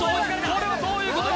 ・これはどういうこと？